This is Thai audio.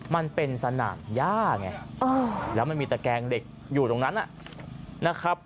มันเป็นสนามย่าไงแล้วมันมีตะแกงเหล็กอยู่ตรงนั้นนะครับ